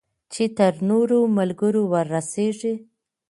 چې تر نورو ملګرو ورسیږي.